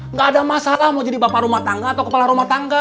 nggak ada masalah mau jadi bapak rumah tangga atau kepala rumah tangga